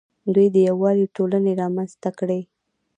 دوی د یووالي ټولنې رامنځته کړې